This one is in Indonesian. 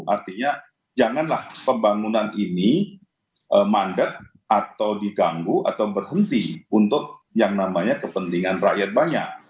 artinya janganlah pembangunan ini mandat atau diganggu atau berhenti untuk yang namanya kepentingan rakyat banyak